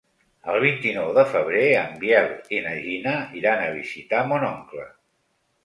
El vint-i-nou de febrer en Biel i na Gina iran a visitar mon oncle.